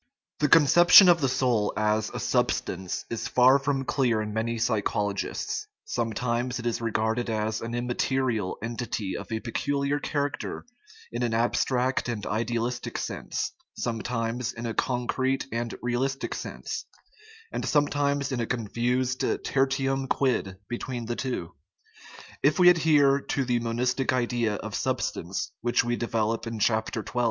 The conception of the soul as a " substance" is far from clear in many psychologists; sometimes it is re garded as an " immaterial " entity of a peculiar charac ter in an abstract and idealistic sense, sometimes in a concrete and realistic sense, and sometimes as a con fused tertium quid between the two. If we adhere to the monistic idea of substance, which we develop in chap, xii.